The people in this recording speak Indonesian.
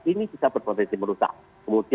ini bisa berpotensi merusak